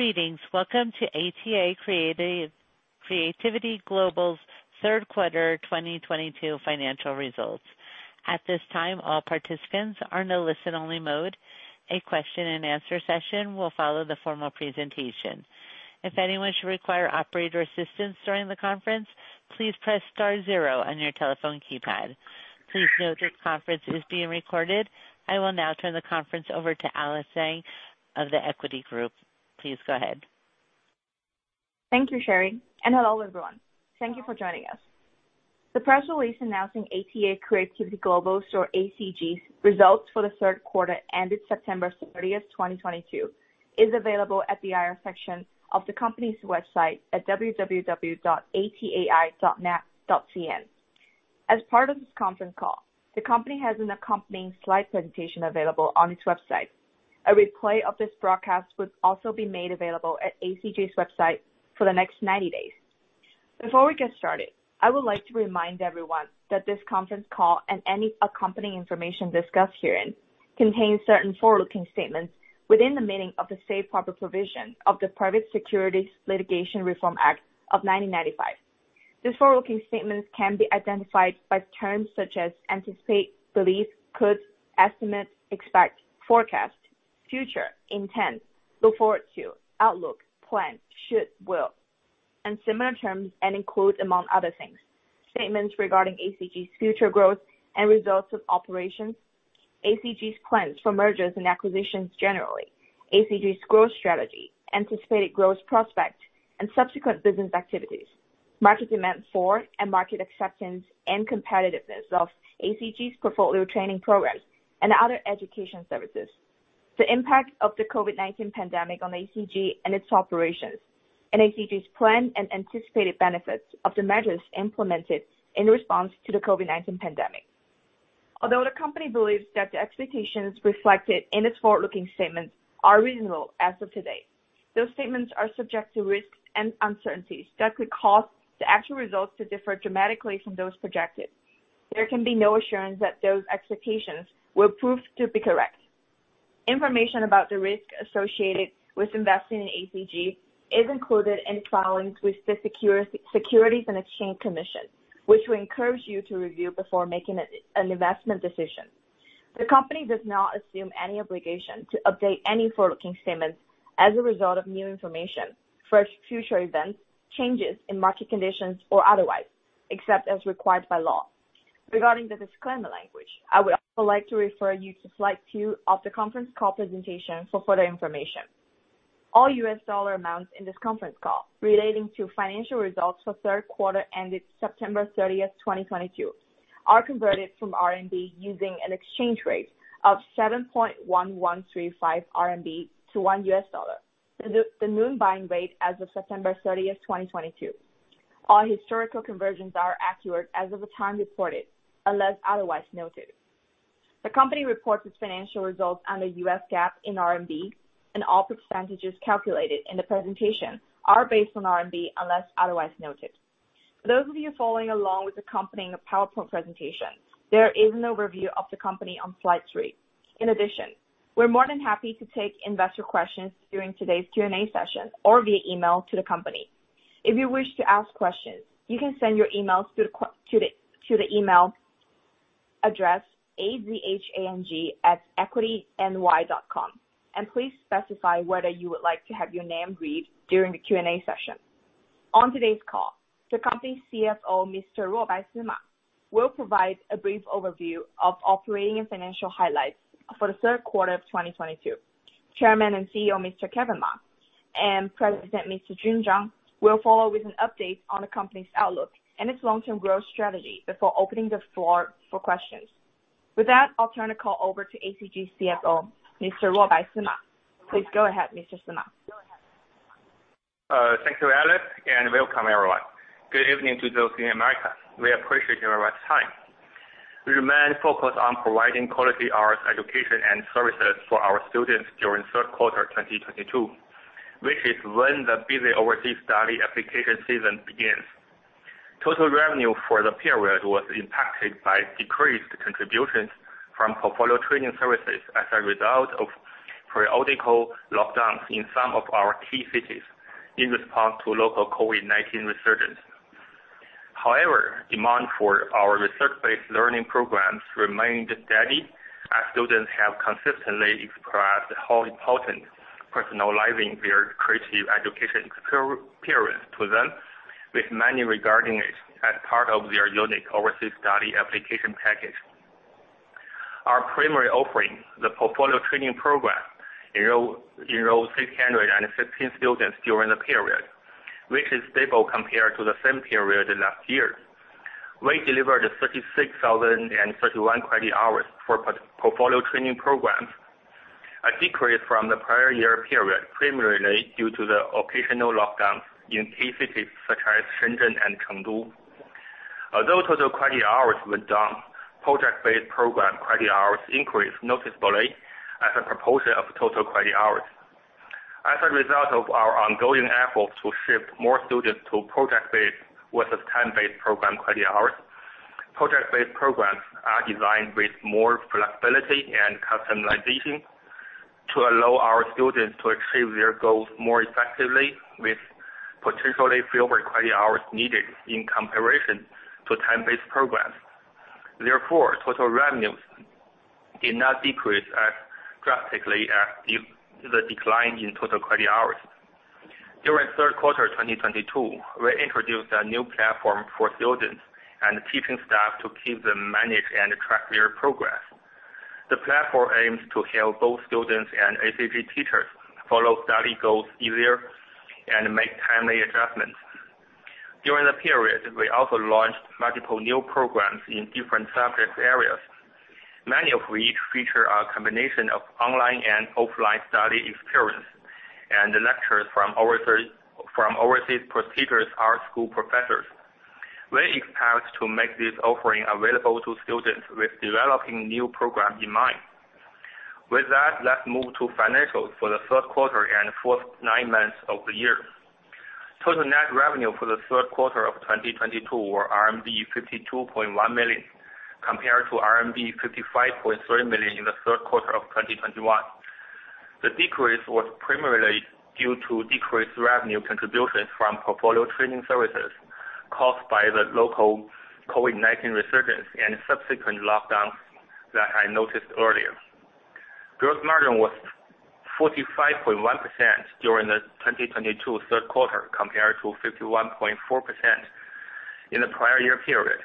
Greetings. Welcome to ATA Creativity Global's 3rd quarter 2022 financial results. At this time, all participants are in a listen only mode. A question-and-answer session will follow the formal presentation. If anyone should require operator assistance during the conference, please press star zero on your telephone keypad. Please note this conference is being recorded. I will now turn the conference over to Alice Zhang of The Equity Group. Please go ahead. Thank you, Sherry, and hello, everyone. Thank you for joining us. The press release announcing ATA Creativity Global, or ACG's, results for the third quarter ended September thirtieth, 2022, is available at the IR section of the company's website at www.atai.net.cn. As part of this conference call, the company has an accompanying slide presentation available on its website. A replay of this broadcast would also be made available at ACG's website for the next 90 days. Before we get started, I would like to remind everyone that this conference call and any accompanying information discussed herein contains certain forward-looking statements within the meaning of the safe harbor provision of the Private Securities Litigation Reform Act of 1995. These forward-looking statements can be identified by terms such as anticipate, believe, could, estimate, expect, forecast, future, intent, look forward to, outlook, plan, should, will, and similar terms, and include, among other things, statements regarding ACG's future growth and results of operations, ACG's plans for mergers and acquisitions generally, ACG's growth strategy, anticipated growth prospects, and subsequent business activities, market demand for and market acceptance and competitiveness of ACG's portfolio training programs and other education services, the impact of the COVID-19 pandemic on ACG and its operations, and ACG's plan and anticipated benefits of the measures implemented in response to the COVID-19 pandemic. Although the company believes that the expectations reflected in its forward-looking statements are reasonable as of today, those statements are subject to risks and uncertainties that could cause the actual results to differ dramatically from those projected. There can be no assurance that those expectations will prove to be correct. Information about the risk associated with investing in ACG is included in filings with the Securities and Exchange Commission, which we encourage you to review before making an investment decision. The company does not assume any obligation to update any forward-looking statements as a result of new information, future events, changes in market conditions or otherwise, except as required by law. Regarding the disclaimer language, I would also like to refer you to slide two of the conference call presentation for further information. All US dollar amounts in this conference call relating to financial results for third quarter ended September 30, 2022, are converted from RMB using an exchange rate of 7.1135 RMB to $1, the noon buying rate as of September 30, 2022. All historical conversions are accurate as of the time reported, unless otherwise noted. The company reports its financial results under U.S. GAAP in RMB. All % calculated in the presentation are based on RMB, unless otherwise noted. For those of you following along with the accompanying PowerPoint presentation, there is an overview of the company on slide 3. In addition, we're more than happy to take investor questions during today's Q&A session or via email to the company. If you wish to ask questions, you can send your emails to the email address, azhang@equityny.com, and please specify whether you would like to have your name read during the Q&A session. On today's call, the company's CFO, Mr. Ruobai Sima, will provide a brief overview of operating and financial highlights for the third quarter of 2022. Chairman and CEO, Mr. Kevin Ma, and President, Mr. Jun Zhang, will follow with an update on the company's outlook and its long-term growth strategy before opening the floor for questions. With that, I'll turn the call over to ACG's CFO, Mr. Ruobai Sima. Please go ahead, Mr. Sima. Thank you, Alice, welcome everyone. Good evening to those in America. We appreciate your everyone's time. We remain focused on providing quality arts education and services for our students during third quarter 2022, which is when the busy overseas study application season begins. Total revenue for the period was impacted by decreased contributions from Portfolio training services as a result of periodical lockdowns in some of our key cities in response to local COVID-19 resurgence. Demand for our research-based learning programs remained steady, as students have consistently expressed how important personalizing their creative education experience to them, with many regarding it as part of their unique overseas study application package. Our primary offering, the portfolio training program, enrolled 616 students during the period, which is stable compared to the same period last year. We delivered 36,031 credit hours for portfolio training programs, a decrease from the prior year period, primarily due to the occasional lockdowns in key cities such as Shenzhen and Chengdu. Although total credit hours were down, project-based program credit hours increased noticeably as a proportion of total credit hours. As a result of our ongoing efforts to shift more students to project-based versus time-based program credit hours. Project-based programs are designed with more flexibility and customization to allow our students to achieve their goals more effectively with potentially fewer credit hours needed in comparison to time-based programs. Therefore, total revenues did not decrease as drastically as due to the decline in total credit hours. During third quarter 2022, we introduced a new platform for students and teaching staff to keep them manage and track their progress. The platform aims to help both students and ACG teachers follow study goals easier and make timely adjustments. During the period, we also launched multiple new programs in different subject areas, many of which feature a combination of online and offline study experience and the lectures from overseas prestigious art school professors. We expect to make this offering available to students with developing new programs in mind. With that, let's move to financials for the third quarter and first nine months of the year. Total net revenue for the third quarter of 2022 were RMB 52.1 million, compared to RMB 55.3 million in the third quarter of 2021. The decrease was primarily due to decreased revenue contributions from portfolio training services caused by the local COVID-19 resurgence and subsequent lockdowns that I noticed earlier. Gross margin was 45.1% during the 2022 third quarter, compared to 51.4% in the prior year period,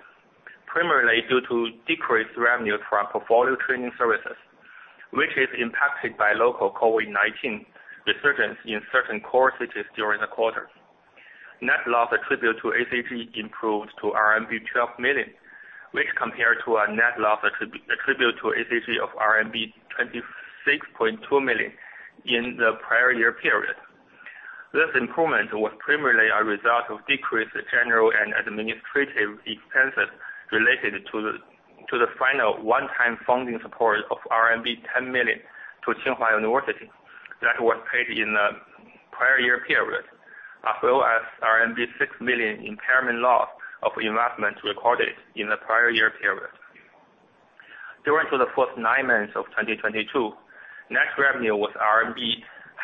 primarily due to decreased revenue from portfolio training services, which is impacted by local COVID-19 resurgence in certain core cities during the quarter. Net loss attributed to ACG improved to RMB 12 million, which compared to a net loss attributed to ACG of RMB 26.2 million in the prior year period. This improvement was primarily a result of decreased general and administrative expenses related to the final one-time funding support of RMB 10 million to Tsinghua University that was paid in the prior year period, as well as RMB 6 million impairment loss of investment recorded in the prior year period. During to the first nine months of 2022, net revenue was RMB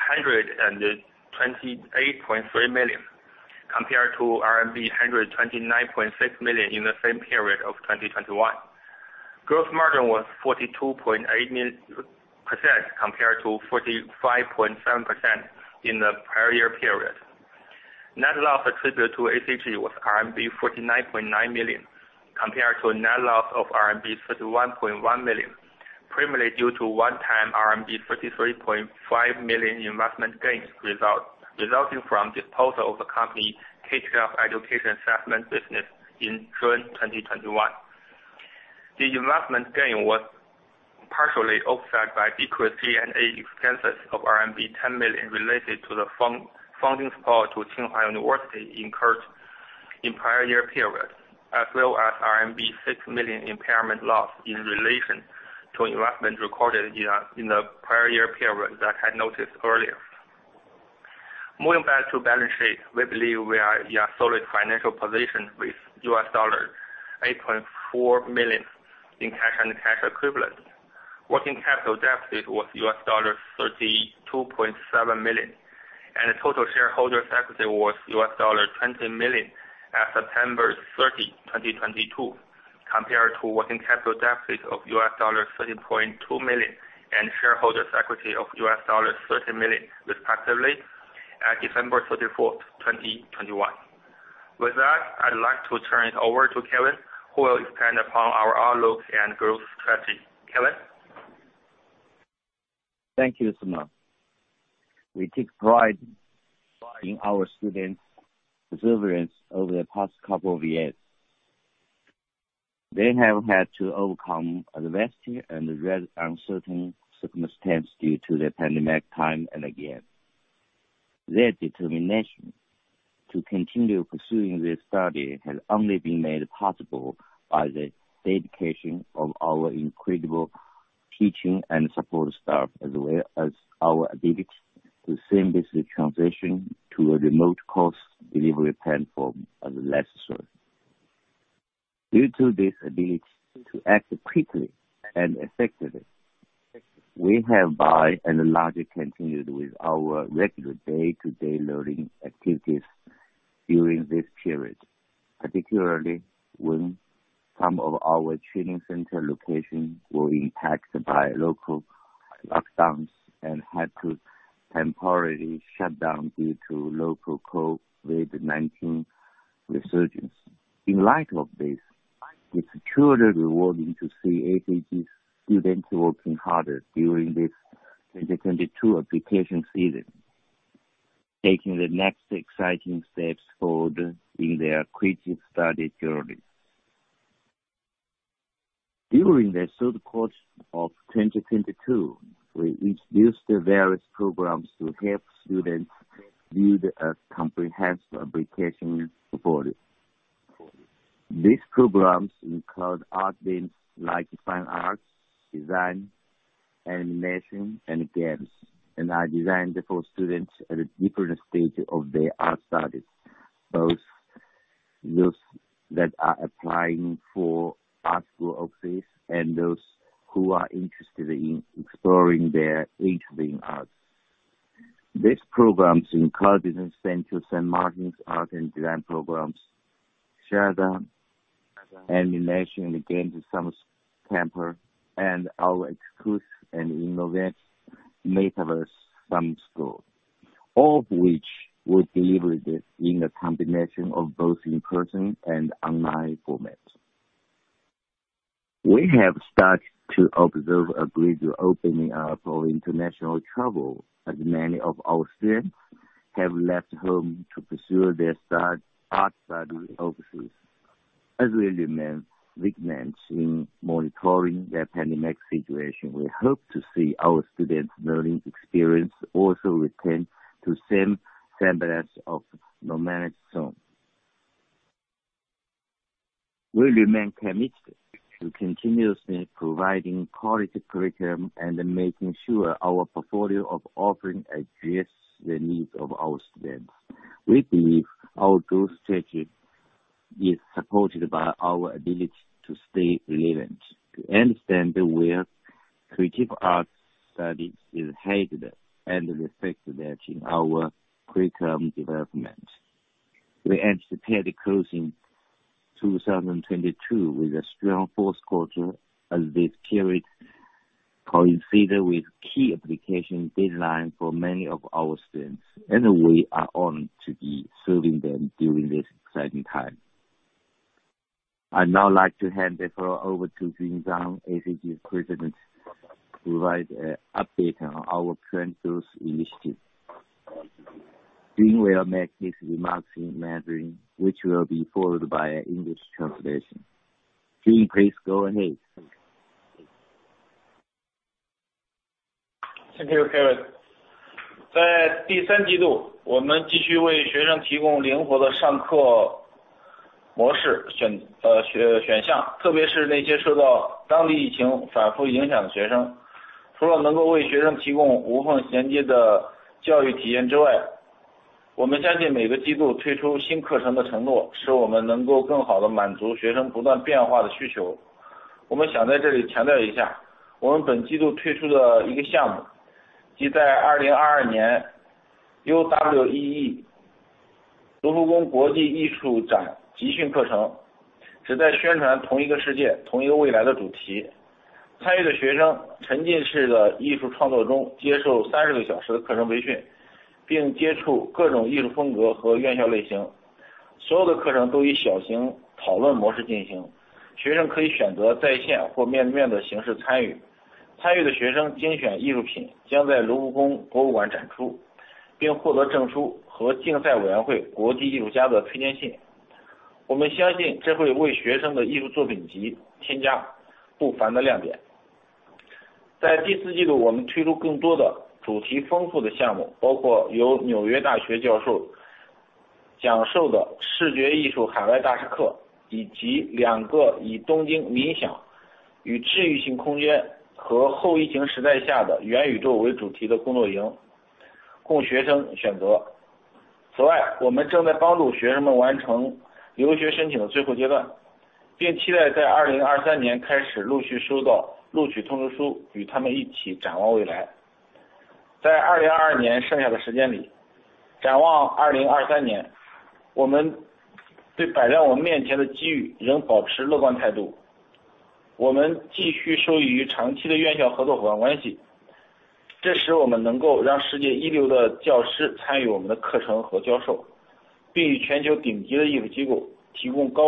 128.3 million, compared to RMB 129.6 million in the same period of 2021. Gross margin was 42.8% compared to 45.7% in the prior year period. Net loss attributed to ACG was RMB 49.9 million, compared to a net loss of RMB 31.1 million, primarily due to one-time RMB 33.5 million investment gains resulting from disposal of the company K-12 education assessment business in June 2021. The investment gain was partially offset by decreased G&A expenses of RMB 10 million related to the fund-funding support to Tsinghua University incurred in prior year period, as well as RMB 6 million impairment loss in relation to investment recorded in the prior year period that I had noticed earlier. Moving back to balance sheet, we believe we are in a solid financial position with $8.4 million in cash and cash equivalents. Working capital deficit was $32.7 million, and total shareholders equity was $20 million at September 30, 2022, compared to working capital deficit of $13.2 million and shareholders equity of $13 million, respectively, at December 31, 2021. With that, I'd like to turn it over to Kevin, who will expand upon our outlook and growth strategy. Kevin? Thank you, Sima. We take pride in our students' perseverance over the past couple of years. They have had to overcome adversity and very uncertain circumstance due to the pandemic time and again. Their determination to continue pursuing their study has only been made possible by the dedication of our incredible teaching and support staff, as well as our ability to seamlessly transition to a remote course delivery platform as necessary. Due to this ability to act quickly and effectively, we have by and large continued with our regular day-to-day learning activities during this period, particularly when some of our training center locations were impacted by local lockdowns and had to temporarily shut down due to local COVID-19 resurgence. In light of this, it's truly rewarding to see ACG students working harder during this 2022 application season, taking the next exciting steps forward in their creative study journeys. During the 3rd quarter of 2022, we introduced the various programs to help students build a comprehensive application portfolio. These programs include admins like fine arts, design, Animation and Games, are designed for students at a different stage of their art studies, both those that are applying for art school offices and those who are interested in exploring their interest in arts. These programs in collaboration Central Saint Martins Art and Design programs, share the animation and game summer camper and our exclusive and innovative Metaverse Summer School, all of which will be delivered in a combination of both in-person and online format. We have started to observe a gradual opening up of international travel, as many of our students have left home to pursue their art study overseas. As we remain vigilant in monitoring the pandemic situation, we hope to see our students' learning experience also return to same semblance of normality soon. We remain committed to continuously providing quality curriculum and making sure our portfolio of offering address the needs of our students. We believe our growth strategy is supported by our ability to stay relevant, to understand where creative art studies is headed, and reflect that in our curriculum development. We anticipate closing 2022 with a strong fourth quarter, as this period coincides with key application deadline for many of our students, and we are honored to be serving them during this exciting time. I'd now like to hand the floor over to Jun Zhang, ACG President, to provide an update on our current growth initiative. Jun will make his remarks in Mandarin, which will be followed by an English translation. Jun, please go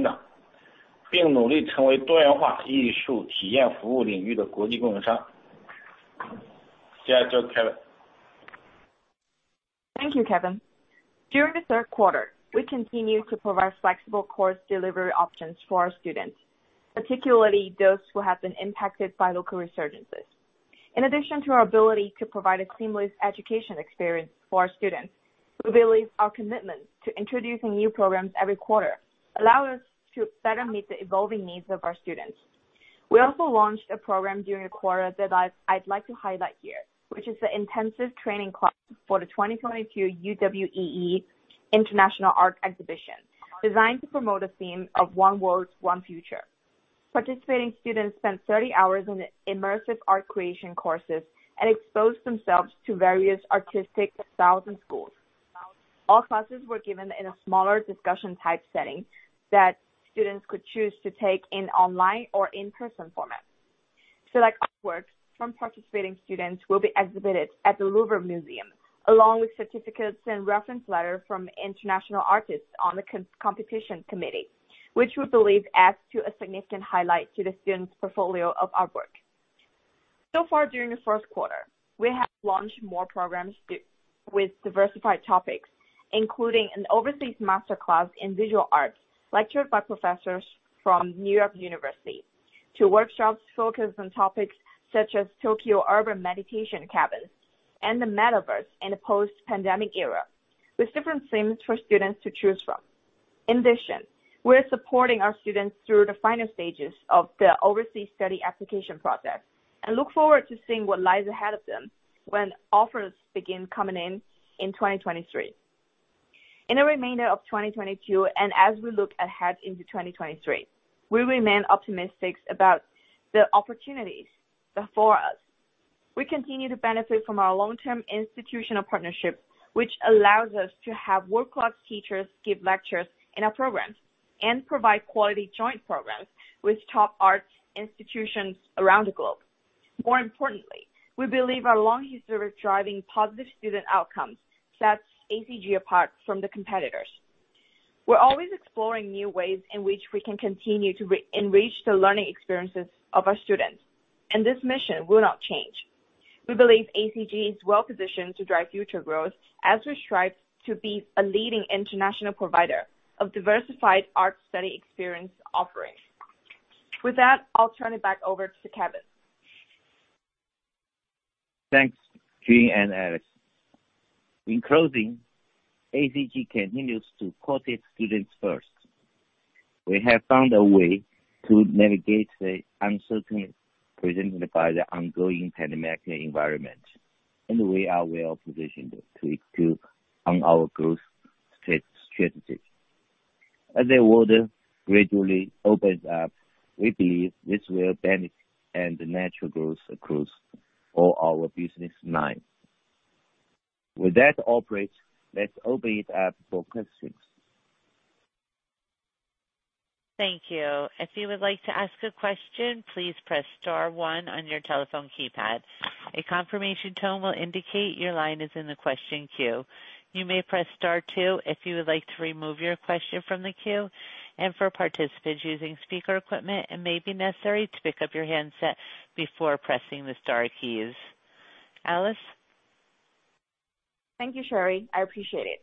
ahead. Thank you. Thank you, Kevin. In the third quarter, we continued to provide flexible course delivery options for our students, particularly those who have been impacted by local resurgences. In addition to our ability to provide a seamless education experience for our students, we believe our commitment to introducing new programs every quarter allow us to better meet the evolving needs of our students. We also launched a program during the quarter that I'd like to highlight here, which is the intensive training class for the 2022 UWEE International Art Exhibition, designed to promote a theme of One World One Future. Participating students spent 30 hours in immersive art creation courses and exposed themselves to various artistic styles and schools. All classes were given in a smaller discussion-type setting that students could choose to take in online or in-person format. Selected artworks from participating students will be exhibited at the Louvre Museum, along with certificates and reference letters from international artists on the competition committee, which we believe adds to a significant highlight to the students' portfolio of artwork. During the first quarter, we have launched more programs with diversified topics, including an overseas master class in visual arts lectured by professors from New York University to workshops focused on topics such as Tokyo Urban Meditation Cabins and the metaverse in the post-pandemic era with different themes for students to choose from. In addition, we're supporting our students through the final stages of the overseas study application process, and look forward to seeing what lies ahead of them when offers begin coming in in 2023. In the remainder of 2022, and as we look ahead into 2023, we remain optimistic about the opportunities before us. We continue to benefit from our long-term institutional partnership, which allows us to have world-class teachers give lectures in our programs and provide quality joint programs with top arts institutions around the globe. More importantly, we believe our long history of driving positive student outcomes sets ACG apart from the competitors. We're always exploring new ways in which we can continue to enrich the learning experiences of our students, and this mission will not change. We believe ACG is well-positioned to drive future growth as we strive to be a leading international provider of diversified art study experience offerings. With that, I'll turn it back over to Kevin. Thanks, Jun and Alice. In closing, ACG continues to put its students first. We have found a way to mitigate the uncertainty presented by the ongoing pandemic environment, and we are well-positioned to on our growth strategy. As the world gradually opens up, we believe this will benefit and natural growth across all our business lines. With that operator, let's open it up for questions. Thank you. If you would like to ask a question, please press star one on your telephone keypad. A confirmation tone will indicate your line is in the question queue. You may press star two if you would like to remove your question from the queue. For participants using speaker equipment, it may be necessary to pick up your handset before pressing the star keys. Alice? Thank you, Sherry. I appreciate it.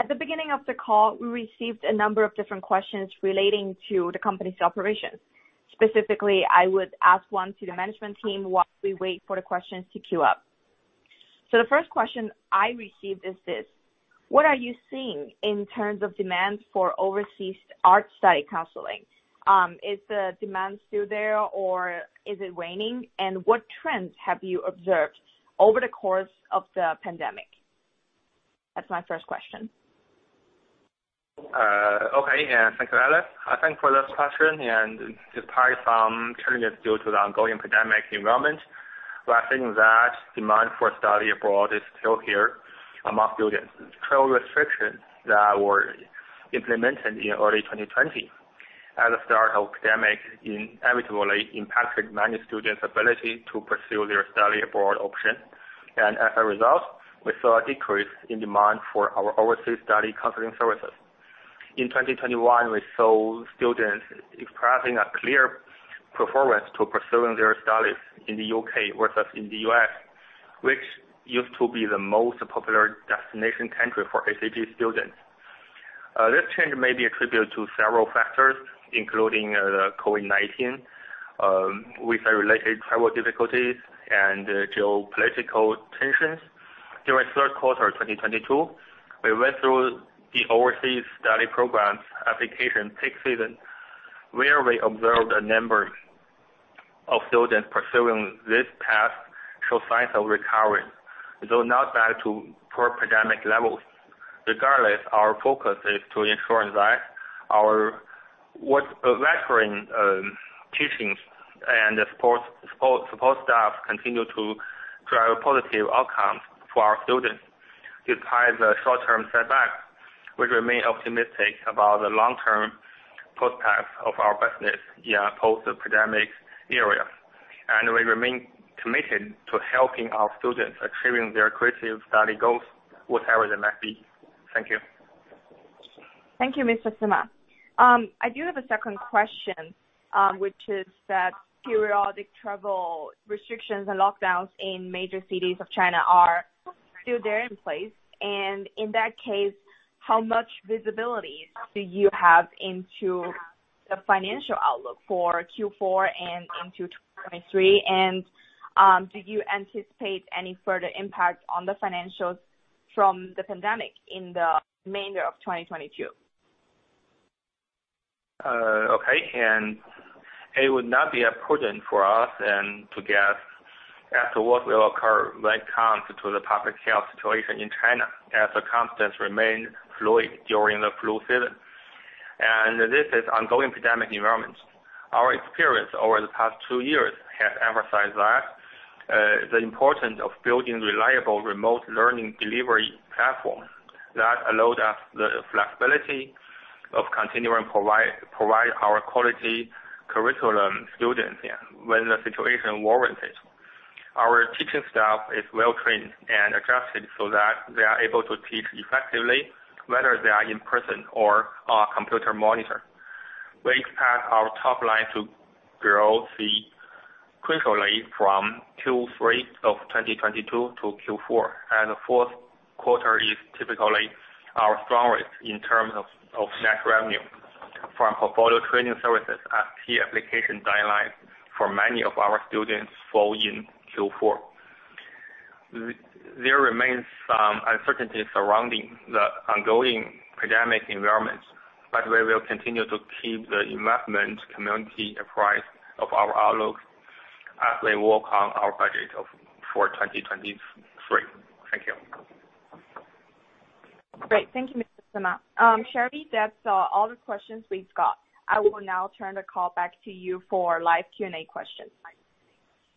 At the beginning of the call, we received a number of different questions relating to the company's operations. Specifically, I would ask one to the management team while we wait for the questions to queue up. The first question I received is this: What are you seeing in terms of demand for overseas art study counseling? Is the demand still there or is it waning? What trends have you observed over the course of the pandemic? That's my first question. Okay. Thank you, Alice. Thank you for this question, despite some challenges due to the ongoing pandemic environment, we are seeing that demand for study abroad is still here among students. Travel restrictions that were implemented in early 2020 at the start of pandemic inevitably impacted many students' ability to pursue their study abroad option. As a result, we saw a decrease in demand for our overseas study counseling services. In 2021, we saw students expressing a clear preference to pursuing their studies in the U.K. versus in the U.S., which used to be the most popular destination country for ACG students. This change may be attributed to several factors, including COVID-19, with the related travel difficulties and geopolitical tensions. During third quarter 2022, we went through the overseas study programs application peak season, where we observed a number of students pursuing this path show signs of recovery, though not back to pre-pandemic levels. Regardless, our focus is to ensure that our what's lecturing, teachings and support staff continue to drive positive outcomes for our students. Despite the short-term setback, we remain optimistic about the long-term prospects of our business in a post-pandemic era. We remain committed to helping our students achieving their creative study goals, whatever they might be. Thank you. Thank you, Mr. Sima. I do have a second question, which is that periodic travel restrictions and lockdowns in major cities of China are still there in place. In that case, how much visibility do you have into the financial outlook for Q4 and into 2023? Do you anticipate any further impact on the financials from the pandemic in the remainder of 2022? Okay. It would not be appropriate for us and to guess as to what will occur when it comes to the public health situation in China as the constants remain fluid during the flu season. This is ongoing pandemic environment. Our experience over the past two years has emphasized that the importance of building reliable remote learning delivery platforms that allow us the flexibility of continuing provide our quality curriculum students, yeah, when the situation warrants it. Our teaching staff is well-trained and adjusted so that they are able to teach effectively, whether they are in person or on computer monitor. We expect our top line to grow sequentially from Q3 of 2022 to Q4, and the fourth quarter is typically our strongest in terms of net revenue from portfolio training services as key application deadlines for many of our students fall in Q4. There remains some uncertainty surrounding the ongoing pandemic environment, but we will continue to keep the investment community apprised of our outlook as we work on our budget for 2023. Thank you. Great. Thank you, Mr. Sima. Sherry, that's all the questions we've got. I will now turn the call back to you for live Q&A questions.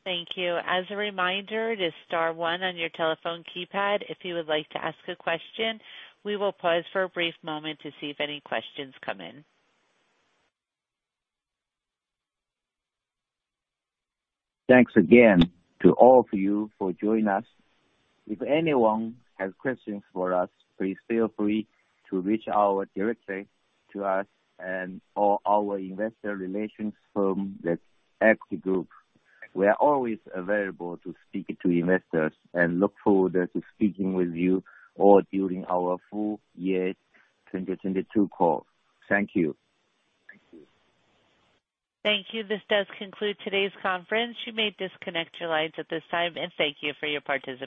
Thank you. As a reminder, it is star one on your telephone keypad if you would like to ask a question. We will pause for a brief moment to see if any questions come in. Thanks again to all of you for joining us. If anyone has questions for us, please feel free to reach out directly to us and all our investor relations firm, The Equity Group. We are always available to speak to investors and look forward to speaking with you all during our full year 2022 call. Thank you. Thank you. Thank you. This does conclude today's conference. You may disconnect your lines at this time, and thank you for your participation.